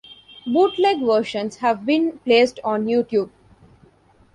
Bootleg versions have been placed on YouTube.